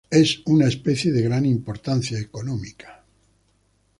Es una especie de gran importancia económica.